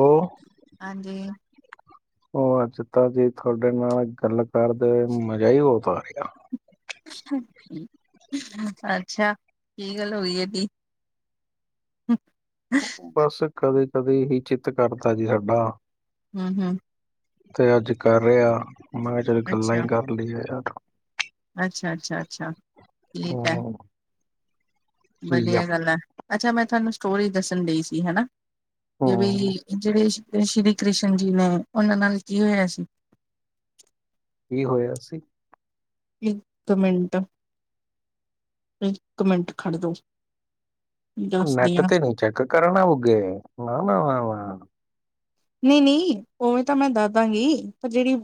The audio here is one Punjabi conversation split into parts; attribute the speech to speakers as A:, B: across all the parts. A: ਉਹ
B: ਹਾਂਜੀ
A: ਉਹ ਅੱਜ ਤੇ ਜੀ ਤੁਹਾਡੇ ਨਾਲ ਗੱਲ ਕਰਦੇ ਹੋਏ ਮਜ਼ਾ ਹੀ ਬਹੁਤ ਆ ਰਿਹਾ
B: ਅੱਛਾ ਕੀ ਗੱਲ ਹੋਈ ਹੈ ਜੀ ਹਮ
A: ਬਸ ਕਦੇ ਕਦੇ ਹੀ ਚਿੱਤ ਕਰਦਾ ਜੀ ਸਾਡਾ
B: ਹਮ ਹਮ
A: ਤੇ ਅੱਜ ਕਰ ਰਿਹਾ ਮੈਂ ਕਿਹਾ ਚੱਲ ਗੱਲਾਂ ਹੀ ਕਰ ਲਈਆਂ ਯਾਰ
B: ਅੱਛਾ ਅੱਛਾ ਅੱਛਾ
A: ਹੂੰ
B: ਠੀਕ ਹੈ।
A: ਯਾ
B: ਵਧੀਆ ਗੱਲ ਹੈ ਅੱਛਾ ਮੈਂ ਤੁਹਾਨੂੰ ਸਟੋਰੀ ਦੱਸਣ ਡਈ ਸੀ ਹਨਾਂ ਕਿ ਬਈ
A: ਹੂੰ
B: ਜਿਹੜੇ ਸ਼੍ਰੀ ਕ੍ਰਿਸ਼ਨ ਜੀ ਨੇ ਉਹਨਾਂ ਨਾਲ ਕੀ ਹੋਇਆ ਸੀ
A: ਕੀ ਹੋਇਆ ਸੀ?
B: ਇੱਕ ਮਿੰਟ, ਇੱਕ ਮਿੰਟ ਖੜ ਜੌ
A: ਨੈੱਟ ਤੇ ਨੀ ਚੈੱਕ ਕਰਨਾ ਹੋਗੇ ਨਾ- ਨਾ -ਨਾ -ਨਾ
B: ਨਹੀਂ -ਨਹੀਂ ਉਵੇਂ ਤਾਂ ਮੈਂ ਦਸ ਦਵਾਂਗੀ ਪਰ ਜਿਹੜੀ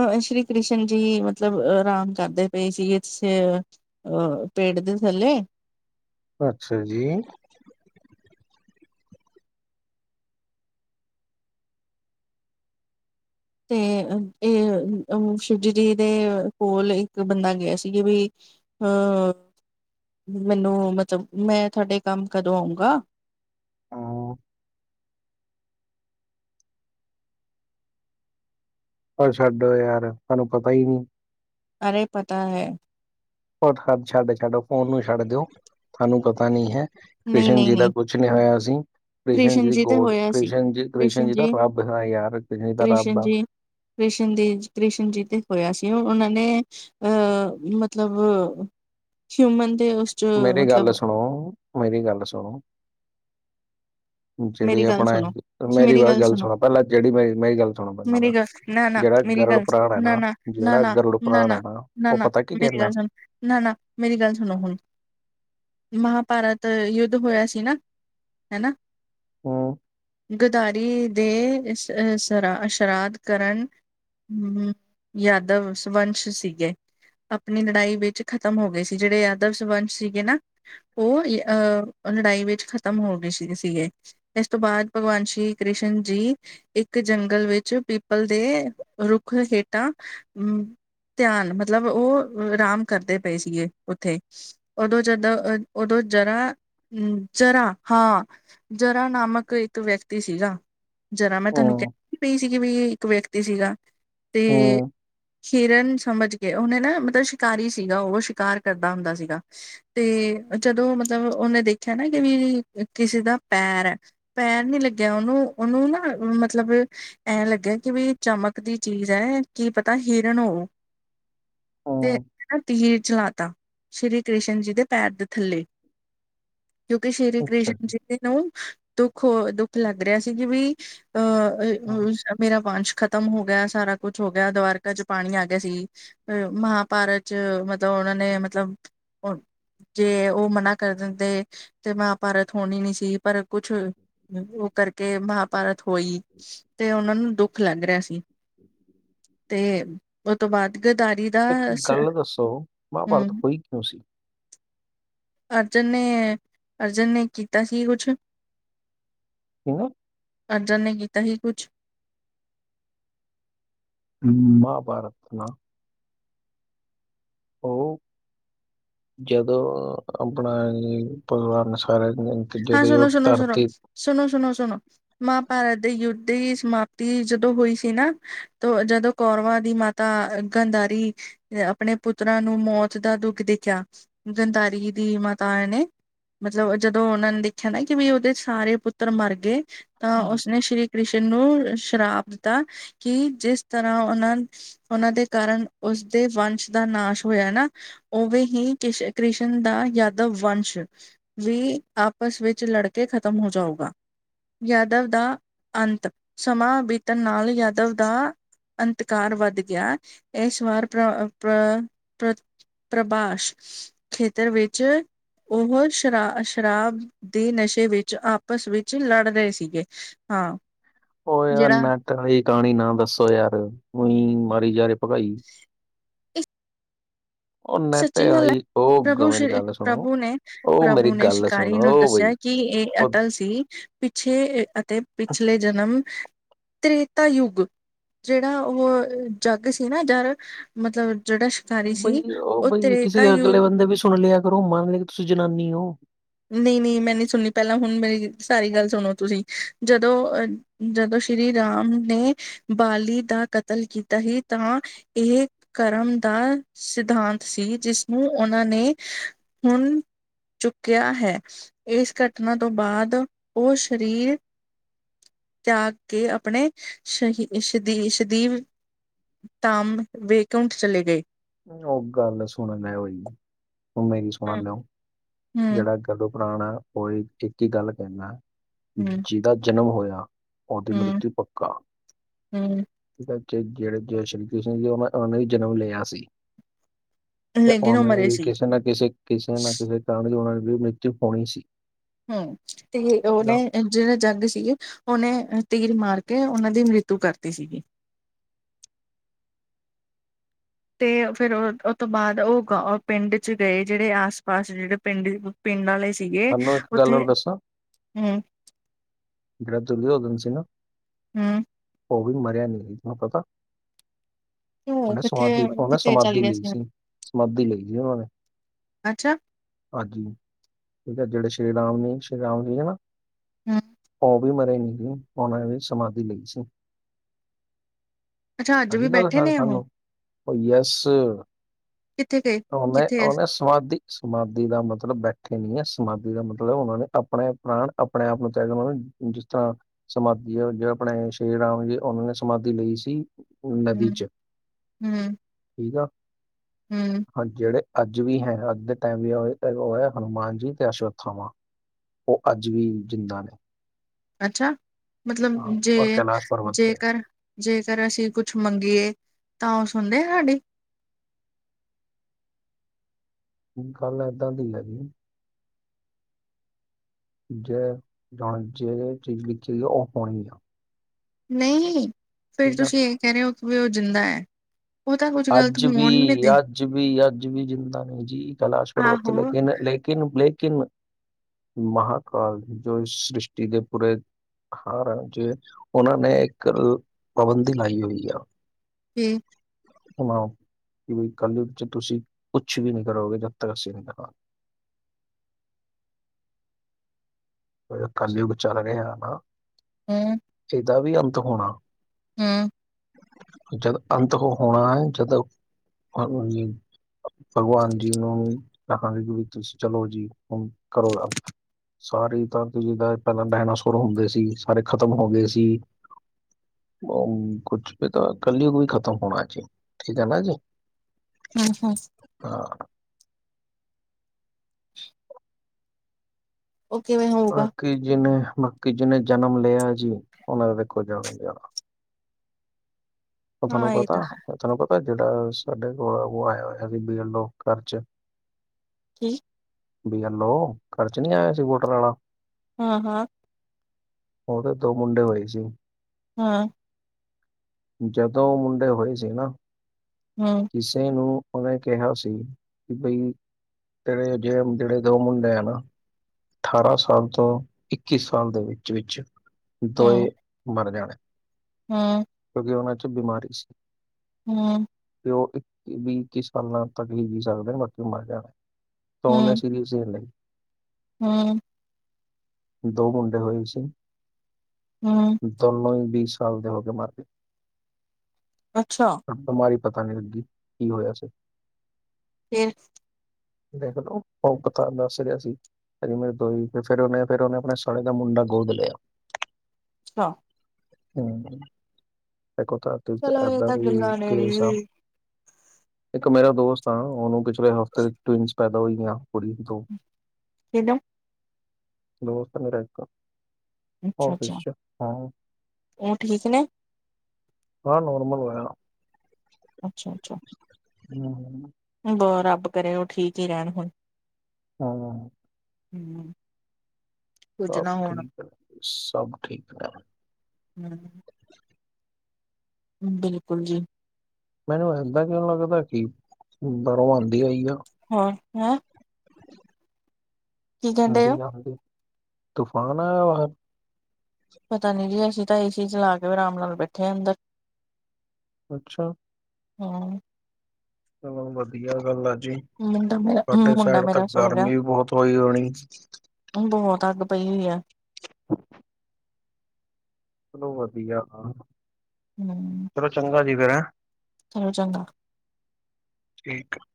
B: ਅਹ ਸ਼੍ਰੀ ਕ੍ਰਿਸ਼ਨ ਜੀ ਮਤਲਬ ਆਰਾਮ ਕਰਦੇ ਪਏ ਸੀਗੇ ਇਥੇ ਆਹ ਪੇਡ ਦੇ ਥੱਲੇ
A: ਅੱਛਾ ਜੀ।
B: ਤੇ ਇਹ ਅ ਸ਼ਿਵਜੀ ਜੀ ਦੇ ਕੋਲ ਇੱਕ ਬੰਦਾ ਗਿਆ ਸੀਗੇ ਵੀ ਅਹ ਮੈਨੂੰ ਮਤਲਬ ਮੈਂ ਤੁਹਾਡੇ ਕੰਮ ਕਦੋਂ ਆਊਂਗਾ
A: ਹੂੰ ਪਰ ਛੱਡੋ ਯਾਰ, ਤੁਹਾਨੂੰ ਪਤਾ ਹੀ ਨਹੀਂ।
B: ਅਰੇ ਪਤਾ ਹੈ
A: ਹੱਦ ਛੱਡ ਛੱਡੋ ਫੋਨ ਨੂੰ ਛੱਡ ਦਿਓ ਤੁਹਾਨੂੰ ਪਤਾ ਨੀ ਹੈ।
B: ਨਹੀਂ
A: ਕ੍ਰਿਸ਼ਨ
B: ਨਹੀਂ
A: ਜੀ ਦਾ ਕੁਛ ਨਹੀਂ ਹੋਇਆ ਸੀ। ਕ੍ਰਿਸ਼ਨ ਜੀ ਦੀ ਗੋਡ ਕ੍ਰਿਸ਼ਨ ਜੀ ਕ੍ਰਿਸ਼ਨ ਜੀ ਦਾ ਰੱਬ ਯਾਰ ਕ੍ਰਿਸ਼ਨ ਜੀ ਦਾ ਰੱਬ ਦਾ
B: ਕ੍ਰਿਸ਼ਨ ਦੇ ਕ੍ਰਿਸ਼ਨ ਜੀ ਤੇ ਹੋਇਆ ਸੀ ਉਹਨਾਂ ਨੇ ਅਹ ਮਤਲਬ, ਹਿਊਮਨ ਦੇ ਉਸ ਚ
A: ਮੇਰੀ ਗੱਲ
B: ਮਤਲਬ
A: ਸੁਣੋ ਮੇਰੀ ਗੱਲ ਸੁਣੋ ਜਿਹੜੀ
B: ਮੇਰੀ ਗੱਲ
A: ਆਪਣਾ
B: ਸੁਣੋ
A: ਮੇਰੀ ਗੱਲ ਸੁਣੋ ਪਹਿਲਾਂ ਜਿਹੜੀ ਮੇਰੀ, ਮੇਰੀ ਗੱਲ ਸੁਣੋ
B: ਮੇਰੀ
A: ਪਹਿਲਾਂ
B: ਗੱਲ ਨਾ ਨਾ
A: ਜਿਹੜਾ
B: ਮੇਰੀ
A: ਗਰੁੜ
B: ਗੱਲ
A: ਪ੍ਰਰਾਣ ਹੈ ਨਾ,
B: ਨਾ
A: ਜਿਹੜਾ
B: ਨਾ
A: ਗਰੁੜ ਪ੍ਰਰਾਣ ਹੈ ਨਾ ਉਹ ਪਤਾ ਕੀ
B: ਮੇਰੀ ਗੱਲ
A: ਕਹਿੰਦਾ
B: ਸੁਣ ਨਾ -ਨਾ ਮੇਰੀ ਗੱਲ ਸੁਣੋ ਹੁਣ ਮਹਾਂਭਾਰਤ ਯੁੱਧ ਹੋਇਆ ਸੀ ਨਾ, ਹਨਾ
A: ਹੂੰ
B: ਗੱਦਾਰੀ ਦੇ ਸ਼ ਸ਼ਰਾਧ ਕਰਨ ਹਮ ਯਾਦਵ ਸਵੰਸ਼ ਸੀਗੇ ਆਪਣੀ ਲੜਾਈ ਵਿੱਚ ਖ਼ਤਮ ਹੋ ਗਏ ਸੀ ਜਿਹੜੇ ਯਾਦਵ ਸਵੰਸ਼ ਸੀਗੇ ਨਾ ਉਹ ਅਹ ਲੜਾਈ ਵਿੱਚ ਖ਼ਤਮ ਹੋ ਗਏ ਸੀ ਸੀਗੇ। ਇਸ ਤੋਂ ਬਾਅਦ ਭਗਵਾਨ ਸ਼੍ਰੀ ਕ੍ਰਿਸ਼ਨ ਜੀ ਇੱਕ ਜੰਗਲ ਵਿੱਚ ਪੀਪਲ ਦੇ ਰੁੱਖ ਹੇਠਾਂ ਅ ਧਿਆਨ ਮਤਲਬ ਉਹ ਆਰਾਮ ਕਰਦੇ ਪਏ ਸੀਗੇ ਉੱਥੇ ਉਦੋਂ ਜਦੋਂ ਉਦੋਂ ਜਰਾ, ਜਰਾ ਹਾਂ ਜਰਾ ਨਾਮਕ ਇੱਕ ਵਿਅਕਤੀ ਸੀਗਾ, ਜਰਾ ਮੈਂ ਤੁਹਾਨੂੰ
A: ਹੂੰ
B: ਕਹਿ ਪਈ ਸੀਗੀ ਵੀ ਇੱਕ ਵਿਅਕਤੀ ਸੀਗਾ, ਤੇ
A: ਹੂੰ
B: ਹਿਰਨ ਸਮਝ ਕੇ ਉਹਨੇ ਨਾ ਮਤਲਬ ਸ਼ਿਕਾਰੀ ਸੀਗਾ ਉਹ ਸ਼ਿਕਾਰ ਕਰਦਾ ਹੁੰਦਾ ਸੀਗਾ। ਤੇ ਜਦੋਂ ਮਤਲਬ ਉਹਨੇ ਦੇਖਿਆ ਨਾ ਕਿ ਵੀ ਕਿਸੇ ਦਾ ਪੈਰ ਹੈ ਪੈਰ ਨੀ ਲੱਗਿਆ, ਉਹਨੂੰ ਉਹਨੂੰ ਨਾ ਮਤਲਬ ਐਂ ਲੱਗਿਆ ਕਿ ਵੀ ਚਮਕ ਦੀ ਚੀਜ਼ ਹੈ ਕੀ ਪਤਾ ਹਿਰਨ ਹੋਉ ਤੇ
A: ਹੂੰ
B: ਤੀਰ ਚਲਾ ਤਾ, ਸ੍ਰੀ ਕ੍ਰਿਸ਼ਨ ਜੀ ਦੇ ਪੈਰ ਦੇ ਥੱਲੇ ਕਿਉਂਕਿ ਸ਼੍ਰੀ ਕ੍ਰਿਸ਼ਨ ਜੀ ਨੂੰ ਦੁੱਖ ਹੋ ਦੁੱਖ ਲੱਗ ਰਿਹਾ ਸੀ ਕਿ ਵੀ ਅਹ
A: ਹੂੰ।
B: ਮੇਰਾ ਵੰਸ਼ ਖਤਮ ਹੋ ਗਿਆ ਸਾਰਾ ਕੁਛ ਹੋ ਗਿਆ ਦੁਵਾਰਕਾ ਚ ਪਾਣੀ ਆ ਗਿਆ ਸੀ। ਅ ਮਹਾਾਂਭਾਰਤ ਚ ਮਤਲਬ ਉਹਨਾਂ ਨੇ ਮਤਲਬ ਜੇ ਉਹ ਮਨਾ ਕਰ ਦਿੰਦੇ ਤੇ ਮਹਾਂਭਾਰਤ ਹੋਣੀ ਨੀ ਸੀ। ਪਰ ਕੁਛ ਉਹ ਕਰਕੇ ਮਾਂ, ਪਰਤ ਹੋਈ ਤੇ ਉਹਨਾ ਨੂੰ ਦੁੱਖ ਲੱਗ ਰਿਹਾ ਸੀ।
A: ਅੱ [inaudible] [inaudible]
B: ਤੇ ਉਹ ਤੋਂ ਬਾਅਦ ਗਦਾਰੀ। ਦਾ
A: ਇੱਕ
B: ਸ-
A: ਗੱਲ ਦੱਸੋ, ਮਹਾਂਭਾਰਤ
B: ਹਮ
A: ਹੋਈ ਕਿਉਂ ਸੀ?
B: ਅਰਜਨ ਨੇ, ਅਰਜਨ ਨੇ ਕੀਤਾ ਸੀ ਯੁੱਧ? ਛੇ
A: ਕਿੰਨੇ
B: ਅਰਜਨ ਨੇ ਕੀਤਾ ਸੀ ਕੁਛ?
A: ਮਹਾਭਾਰਤ ਨਾ। ਉਹ ਜਦੋਂ ਆਪਣਾ ਪਰਿਵਾਰ ਨੇ ਸਾਰਾ ਇਹ।
B: ਹਾਂ, ਸੁਣੋ! ਸੁਣੋ! ਸੁਣੋ! ਸੁਣੋ! ਸੁਣੋ! ਸੁਣੋ! ਮਹਭਾਰਤ ਦੇ ਯੁੱਧ ਦੀ ਸਮਾਪਤੀ ਜਦੋਂ ਹੋਈ ਸੀ ਨਾ, ਤੋਂ ਜਦੋਂ ਕੌਰਵਾਂ ਦੀ ਮਾ। ਤਾਂ, ਗੰਧਾਰੀ ਆਪਣੇ ਪੁੱਤਰਾਂ ਨੂੰ ਮੌਤ ਦਾ ਦੁੱਖ ਦੀਖਿਆ। ਗੰਧਾਰੀ ਦੀ ਮਾਤਾਏ ਨੇ ਮਤਲਬ, ਜਦੋਂ ਜਦੋਂ ਉਹਨਾਂ ਨੇ ਦੇਖਿਆ ਨਾ, ਕਿ ਵੀ ਉਹਦੇ ਸਾਰੇ ਪੁੱਤਰ ਮਰ ਗਏ, ਤਾਂ ਉਸਨੇ ਸ਼੍ਰੀ ਕ੍ਰਿਸ਼ਨ ਨੂੰ ਸ਼ਰਾਪ ਦਿੱਤਾ ਕਿ, ਜਿਸ ਤਰ੍ਹਾਂ ਉਹਨਾਂ ਉਹਨਾਂ ਦੇ ਕਾਰਨ ਉਸਦੇ ਵੰਸ਼ ਦਾ ਨਾਸ਼ ਹੋਇਆ ਨਾ? ਉਵੇਂ ਹੀ ਕ੍ਰਿਸ਼ ਕ੍ਰਿਸ਼ਨ ਦਾ ਯਾਦਵ ਵੰਸ਼ ਵੀ ਆਪਸ ਵਿੱਚ ਲੜ ਕੇ ਖ਼ਤਮ ਹੋ ਜਾਊਗਾ। ਯਾਦਵ ਦਾ ਅੰਤ ਸਮਾਂ ਬੀਤਣ ਨਾਲ, ਯਾਦਵ ਦਾ ਅੰਤਕਾਰ ਵੱਧ ਗਿਆ ਇਸ ਵਾਰ ਪਰ ਪ੍ਰਭਾਸ਼ ਖੇਤਰ ਵਿੱਚ ਉਹ ਸ਼ਰਾਸ਼ ਸ਼ਰਾਬ ਦੇ ਨਸ਼ੇ ਵਿੱਚ ਆਪਸ ਵਿੱਚ ਲੜ ਰਹੇ ਸੀਗੇ, ਹਾਂ।
A: ਉਹ ਯਾਰ,
B: ਜਿਹੜਾ
A: ਮੈਂਥੋ ਇਹ ਕਹਾਣੀ ਨਾ ਦੱਸੋ ਯਾਰ। ਉਈ ਮਾਰੀ ਜਾ ਰਹੇ ਹੋ ਭੁਕਾਈ।
B: ਇਹ
A: ਉਹ ਨੈਟ
B: ਸੱਚੀ ਗੱਲ ਹੈ।
A: ਵਾਲੀ ਉਹ ਗ-
B: ਪ੍ਰਭੂ
A: ਮੇਰੀ
B: ਸ਼੍ਰੀ
A: ਗੱਲ ਸੁਣੋ
B: ਪ੍ਰਭੂ ਨੇ
A: ਉਹ ਮੇਰੀ
B: ਪ੍ਰਭੂ ਨੇ
A: ਗੱਲ
B: ਸ਼ਿਕਾਰੀ ਨੂੰ
A: ਸੁਣੋ ਬਈ
B: ਦੱਸਿਆ। ਕੀ ਇਹ
A: ਉਹ
B: ਅਟਲ ਸੀ? ਛੇ ਇਹ, ਅਤੇ ਪਿਛਲੇ ਜਨਮ ਤ੍ਰੇਤਾ ਯੁੱਗ। ਜਿਹੜਾ ਉਹ ਜੱਗ ਸੀ ਨਾ, ਜ਼ਰ ਮਤਲਬ ਜਿਹੜਾ ਸ਼ਿਕਾਰੀ ਸੀ
A: ਬਈ, ਉਹ ਬਈ ਕਿਸੇ
B: ਤ੍ਰੇਤਾ ਯੂ
A: ਅਗਲੇ ਬੰਦੇ ਵੀ ਸੁਣ ਲਿਆ ਕਰੋ। ਮੰਨ ਲਿਆ ਕਿ ਤੁਸੀਂ ਜਨਾਨੀ ਹੋ।
B: ਨਹੀਂ, ਨਹੀਂ ਮੈਂ ਨਹੀਂ ਸੁਣੀ ਪਹਿਲਾਂ ਹੁਣ ਮੇਰੀ ਸਾਰੀ ਗੱਲ ਸੁਣੋ ਤੁਸੀਂ, ਜਦੋਂ ਅਹ ਜਦੋਂ ਸ਼੍ਰੀ ਰਾਮ ਨੇ ਬਾਲੀ ਦਾ ਕਤਲ ਕੀਤਾ ਸੀ, ਤਾਂ ਇਹ ਕਰਮ ਦਾ ਸਿਧਾਂਤ ਸੀ, ਜਿਸਨੂੰ ਉਹਨਾਂ ਨੇ ਹੁਣ ਗਿਆ ਹੈ ਇਸ ਘਟਨਾ ਤੋਂ ਬਾਅਦ, ਉਹ ਸਰੀਰ ਤਿਆਗ ਕੇ ਆਪਣੇ ਸ਼ਰੀਰ ਦੀ ਤਮ ਵੇਕੁੰਠ ਚਲੇ ਗਏ।
A: ਉਹ ਗੱਲ ਸੁਣ ਲੈ ਓਏ, ਉਹ ਮੇਰੀ ਸੁਣ
B: ਹੂੰ
A: ਲਓ
B: ਹੂੰ
A: ਜਿਹੜਾ ਗੱਲੋਂ ਪੁਰਾਣਾ ਹੈ ਉਹ ਇੱਕ ਹੀ ਗੱਲ ਕਹਿੰਦਾ
B: ਹੂੰ
A: ਜਿਹਦਾ ਜਨਮ ਹੋਇਆ ਓਦੀ
B: ਹੂੰ
A: ਮ੍ਰਿਤਯੁ ਪੱਕਾ।
B: ਹੂੰ
A: ਏਥੇ ਜਿਹੜੇ ਜੈ ਸ਼੍ਰੀ ਕ੍ਰਿਸ਼ਨ, ਉਹਨਾਂ ਨੇ ਜਨਮ ਲਿਆ ਸੀ। ਤੇ
B: ਲੇਕਿਨ ਉਹ
A: ਉਹਨਾਂ
B: ਮਰੇ
A: ਵੀ
B: ਸੀ
A: ਕਿਸੇ ਨਾ ਕਿਸੇ, ਕਿਸੇ ਨਾ ਕਿਸੇ ਕਾਰਨ ਉਹਨਾਂ ਦੀ ਮ੍ਰਿਤੂ ਹੋਣੀ ਸੀ।
B: ਹੁੰ, ਤੇ
A: ਠੀਕ
B: ਉਹਨੇ
A: ਆ
B: ਇਹ ਜਿਹੜੇ ਜੰਗ ਸੀ, ਉਹਨੇ ਤੀਰ ਮਾਰ ਕੇ ਉਹਨਾਂ ਦੀ ਮ੍ਰਿਤੂ ਕਰਤੀ ਸੀਗੀ। ਤੇ ਫਿਰ ਉਹ ਤੋਂ ਬਾਅਦ ਉਹ ਪਿੰਡ ਚ ਗਏ। ਜਿਹੜੇ ਆਸ -ਪਾਸ ਜਿਹੜੇ ਪਿੰਡ ਪਿੰਡ ਆਲੇ ਸੀਗੇ
A: ਤੁਹਾਨੂੰ ਇੱਕ ਗੱਲ
B: ਉੱਥੇ
A: ਹੋਰ ਦੱਸਾਂ
B: ਹੁੰ।
A: ਇਹ ਦੁਰਯੋਧਨ ਸੀ ਨਾ?
B: ਹੂੰ।
A: ਉਹ ਵੀ ਮਰਿਆ ਨਹੀਂ ਸੀ ਪਤਾ।
B: ਉਹ
A: ਉਹਨੇ
B: ਕਿੱਥੇ
A: ਸਮਾਧੀ, ਉਹਨੇ
B: ਕਿੱਥੇ ਚੱਲ
A: ਸਮਾਧੀ
B: ਗਿਆ
A: ਲਈ ਸੀ ਸਮਾਧੀ ਲਈ ਸੀ ਉਹਨਾਂ ਨੇ।
B: ਅੱਛਾ।
A: ਹਾਂਜੀ, ਠੀਕ ਹੈ, ਜਿਹੜੇ ਸ਼੍ਰੀ ਰਾਮ ਨੇ ਸ਼੍ਰੀ ਰਾਮ ਜੀ ਹਨਾ।
B: ਹਮ
A: ਉਹ ਵੀ ਮਰੇ ਨਹੀਂ ਸੀ ਉਹਨਾਂ ਨੇ ਵੀ ਸਮਾਧੀ ਲਈ ਸੀ
B: ਅੱਛਾ ਅੱਜ ਵੀ
A: ਸਾਡੀ ਗੱਲ
B: ਬੈਠੇ
A: ਸੁ
B: ਨੇ ਉਹ
A: ਸਾਨੂੰ। ਉਹ ਯੱਸ
B: ਕਿੱਥੇ ਗਏ
A: ਨ
B: ਕਿੱਥੇ
A: ਓਨ ਸਮਾਧੀ ਸਮਾਧੀ ਦਾ ਮਤਲਬ ਬੈਠੇ ਨੀ ਹੈ ਸਮਾਧੀ ਦਾ ਮਤਲਬ ਉਹਨਾਂ ਨੇ ਆਪਣੇ ਪ੍ਰਾਣ ਆਪਣੇ ਆਪ ਨੂੰ ਉਹ ਨੂੰ ਜਿਸ ਤਰ੍ਹਾਂ ਸਮਾਧੀ ਜਿਹੜੇ ਆਪਣੇ ਸ਼੍ਰੀ ਰਾਮ ਜੀ ਉਹਨਾਂ ਨੇ ਸਮਾਧੀ ਲਈ ਸੀ। ਉਹ ਨਦੀ
B: ਹੂੰ
A: ਚ ਠੀਕ ਆ।
B: ਹਮ
A: ਹਾਂਜੀ ਜਿਹੜੇ ਅੱਜ ਵੀ ਹੈ ਅੱਜ ਦੇ ਟਾਈਮ ਵੀ ਉਹ ਹੈ ਹਨੂੰਮਾਨ ਜੀ ਤੇ ਅਸ਼ਵਥਾਮਾਂ। ਉਹ ਅੱਜ ਵੀ ਜਿੰਦਾ ਨੇ।
B: ਅੱਛਾ ਮਤਲਬ
A: ਹਾਂ
B: ਜੇ
A: ਔਰ ਕੈਲਾਸ਼ ਪਰਬਤ ਤੇ
B: ਜੇਕਰ ਜੇਕਰ ਅਸੀਂ ਕੁਛ ਮੰਗੀਏ ਤਾਂ ਉਹ ਸੁਣਦੇ ਸਾਡੀ
A: ਗੱਲ ਏਦਾਂ ਦੀ ਹੈਗੀ ਜੇ ਹੁਣ ਜੇ ਚੀਜ਼ ਲਿਖੀਈ ਉਹ ਹੋਣੀ ਆ
B: ਨਹੀਂ ਫਿਰ
A: ਠੀਕ ਆ
B: ਤੁਸੀਂ ਇਹ ਕਹਿਨੇ ਹੋ ਕਿ ਉਹ ਜਿੰਦਾ ਹੈ ਉਹ ਤਾਂ ਕੁੱਝ ਗ਼ਲਤ
A: ਅੱਜ ਵੀ
B: ਹੋਣ ਨੀ ਦੇ
A: ਅੱਜ ਵੀ ਅੱਜ ਵੀ ਜਿੰਦਾ ਨ ਜੀ ਕਲਾਸ਼ ਪਰਬਤ
B: ਆਹੋ
A: ਲੇਕਿਨ ਲੇ ਲੇਕਨ ਲੇਕਿਨ ਮਹਾਕਾਲ ਜੋ ਇਸ ਸ੍ਰਿਸ਼ਟੀ ਦੇ ਪੂਰੇ ਹਾਂ ਰਾਾਂ ਜ ਉਹਨਾਂ ਨੇ ਇੱਕ ਪਾਬੰਦੀ ਲਾਈ ਹੋਈ ਆ
B: ਹੂ
A: ਸੁਣਾਓ ਕਿ ਬਈ ਕੱਲ ਵਿੱਚ ਤੁਸੀਂ ਕੁਛ ਵੀ ਨੀ ਕਰੋਗੇ ਜਦ ਤੱਕ ਅਸੀਂ ਨੀ ਦਿਖਾਗੇ ਕੱਲਜੂਗ ਚੱਲ ਰਿਹਾ ਨਾ
B: ਹਮ
A: ਇਹਦਾ ਵੀ ਅੰਤ ਹੋਣਾ
B: ਹਮ
A: ਜਦ ਅੰਤ ਉਹ ਹੋਣਾ ਹੈ ਜਦ ਭਗਵਾਨ ਜੀ ਨੂੰ ਕਹਾਂਗੇ ਕਿ ਵੀ ਤੁਸੀਂ ਚਲੋ ਜੀ ਹ ਕਰੋ ਸਾਰੇ ਤ ਤੇ ਜਿੱਦਾਂ ਪਹਿਲਾਂ ਨਹਿਣਾ ਸੁਰ ਹੁੰਦੇ ਸੀ ਸਾਰੇ ਖਤਮ ਖਤਮ ਹੋ ਗਏ ਸੀ ਕੁਛ ਵੀ ਤਾਂ ਕੱਲੀ ਵੀ ਖ਼ਤਮ ਹੋਣਾ ਜੀ ਠੀਕ ਹੈ ਨਾ ਜੀ
B: ਹਮ ਹਾਂ
A: ਹਾਂ
B: ਓਕੇ ਮੈਂ ਹੋਊਗਾ
A: ਕੀ ਜਿਹਨੇ ਬਾਕੀ ਜਿਹਨੇ ਜਨਮ ਲਿਆ ਜੀ ਉਹਨਾਂ ਤੇ ਵੇਖੋ ਜਾਣਾ ਹੀ ਜਾਣਾ ਉਹ ਤੁਹਾਨੂੰ
B: ਹਾਂ ਇਹ
A: ਪਤਾ
B: ਤਾਂ
A: ਤੁਹਾਨੂੰ ਪਤਾ ਜਿਹੜਾ ਸਾਡੇ ਕੋਲ ਉਹ ਆਇਆ ਹੋਇਆ ਸੀ ਬੀ ਘਰ ਚ
B: ਜੀ
A: ਬੀ ਐਲੋ ਔ ਘਰ ਚ ਨੀ ਆਇਆ ਸੀ ਵੋਟਰ ਵਾਲਾ
B: ਹਾਂ ਹਾਂ
A: ਉਹਦੇ ਤੋ ਦੋ ਮੁੰਡੇ ਹੋਏ ਸੀ
B: ਹਾਂ
A: ਜਦੋਂ ਮੁੰਡੇ ਹੋਏ ਸੀ ਨਾ
B: ਹਮ
A: ਕਿਸੇ ਨੂੰ ਉਹਨੇ ਕਿਹਾ ਸੀ ਕਿ ਬਈ ਤੇੜੇ ਜਿ ਜਿਹੜੇ ਦੋ ਮੁੰਡੇ ਆ ਨਾ ਅਠਾਰਾਂ ਸਾਲ ਤੋਂ ਇੱਕੀ ਸਾਲ ਦੇ ਵਿੱਚ ਵਿੱਚ ਦੋਏ ਮਰ ਜਾਣੇ
B: ਹਾਂ
A: ਕਿਉਂਕਿ ਉਹਨਾਂ ਚ ਬਿਮਾਰੀ ਸੀ
B: ਹਮ
A: ਤੇ ਉਹ ਇੱਕ ਵੀ ਸਾਲਾਂ ਤੱਕ ਹੀ ਜੀਅ ਸਕਦੇ ਬਾਕੀ ਮਰ ਜਾਣੇ ਤਾਂ ਉਹਨੇ
B: ਹੂੰ,
A: ਸਰੀ ਜੀ
B: ਹੂੰ।
A: ਦੋ ਮੁੰਡੇ ਹੋਣੇ ਸੀ।
B: ਹੂੰ।
A: ਦੋਨੋ ਹੀ ਵੀਹ ਸਾਲ ਦੇ ਹੋ ਕੇ ਮਰਗੇ।
B: ਅੱਛਾ।
A: ਬਿਮਾਰੀ ਪਤਾ ਨੀ ਲੱਗੀ ਕੀ ਹੋਇਆ ਸੀ।
B: ਫੇਰ।
A: ਦੇਖਲੋ ਉਹ ਪਤਾ ਦੱਸ ਰਿਹਾ ਸੀ। ਕਹਿੰਦੀ ਮੇਰੇ ਦੋਈ ਫਿਰ ਸਕੇ ਫਿਰ ਉਹਨੇ ਆਪਣੇ ਸਾਲੇ ਦਾ ਮੁੰਡਾ ਗੋਦ ਲਿਆ।
B: ਸਾ।
A: ਹੂੰ ਦੇਖੋ ਧਰਤੀ ਤੇ
B: ਚਲੋ ਇਹ
A: ਏਦਾਂ
B: ਤਾਂ
A: ਵੀ
B: ਗੱਲਾਂ ਨੇ
A: ਕੇਸ ਆ।
B: ਜੀ
A: ਇੱਕ ਮੇਰਾ ਦੋਸਤ ਆ, ਉਹਨੂੰ ਪਿਛਲੇ ਹਫ਼ਤੇ ਟਵਿੰਨਸ ਪੈਦਾ ਹੋਈ ਆ ਕੁੜੀ ਦੋ।
B: ਕਿੰਨੂੰ।
A: ਦੋਸਤ ਮੇਰਾ ਇੱਕ।
B: ਅੱਛਾ- ਅੱਛਾ, ਹੁਣ ਠੀਕ ਨੇ।
A: ਹਾਂ ਨੋਰਮਲ ਹੋਇਆ।
B: ਅੱਛਾ, ਅੱਛਾ।
A: ਹੂੰ।
B: ਬ ਰੱਬ ਕਰੇ ਉਹ ਠੀਕ ਹੀ ਰਹਿਣ ਹੁਣ।
A: ਹਮ-ਹਮ
B: ਹੂੰ। ਕੁੱਝ
A: ਸਭ
B: ਨਾ ਹੋਣ
A: ਠੀਕ ਹੈ। ਸਭ ਠੀਕ ਹੈ।
B: ਹੂੰ। ਬਿਲਕੁਲ ਜੀ।
A: ਮੈਨੂੰ ਇੱਦਾਂ ਕਿਉਂ ਲੱਗਦਾ ਕਿ ਬਾਹਰੋਂ ਆਉਂਦੀ ਹੋਈ ਆ।
B: ਹਾਂ ਹੈ। ਕਹਿੰਦੇ ਹੋ?
A: ਹਾਂਜੀ- ਹਾਂਜੀ ਤੂਫਾਨ ਆਇਆ ਬਾਹਰ।
B: ਪਤਾ ਨੀ ਜੀ ਅਸੀਂ ਤਾਂ ਏਸੀ ਚਲਾ ਲਾ ਕੇ ਆਰਾਮ ਨਾਲ ਬੈਠੇ ਹਾਂ ਅੰਦਰ।
A: ਅੱਛਾ।
B: ਹਾਂ।
A: ਚਲੋ ਵਧੀਆ ਗੱਲ ਆ ਜੀ,
B: ਮੁੰਡਾ ਮੇਰਾ
A: ਸਾਡੇ
B: ਮੁੰਡਾ
A: ਸਾਈਡ ਤਾਂ
B: ਮੇਰਾ ਸੋ ਗਿਆ
A: ਗਰਮੀ ਹੀ ਬਹੁਤ ਹੋਈ ਹੋਣੀ।
B: ਬਹੁਤ ਅੱਗ ਪਈ ਹੋਈ ਆ।
A: ਚਲੋ ਵਧੀਆ ਹਾਂ।
B: ਹੂੰ।
A: ਚਲੋ ਚੰਗਾ ਜੀ ਫਿਰ ਹੈ।
B: ਚਲੋ ਚੰਗਾ।
A: ਠੀਕ ਆ।